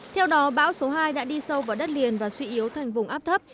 theo đó bão số hai đã đi sâu vào đất liền và suy yếu thành vùng áp thấp